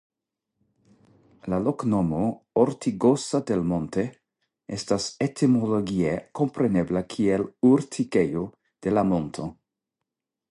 La loknomo "Ortigosa del Monte" estas etimologie komprenebla kiel Urtikejo de la Monto.